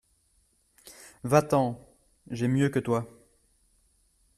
Va-t’en !… j’ai mieux que toi !…